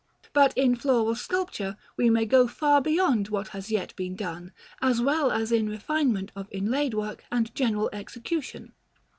But in floral sculpture we may go far beyond what has yet been done, as well as in refinement of inlaid work and general execution.